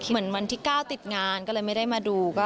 วันที่๙ติดงานก็เลยไม่ได้มาดู